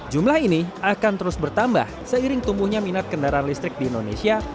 jumlah ini akan terus bertambah seiring tumbuhnya minat kendaraan listrik di indonesia